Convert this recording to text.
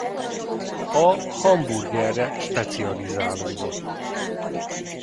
A hamburgerre specializálódott.